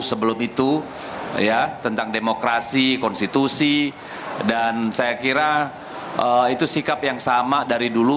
saya kira itu sikap yang sama dari dulu